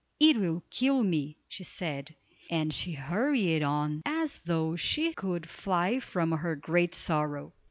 It will kill me!" she said, and she hurried on as though she could fly from her great sorrow.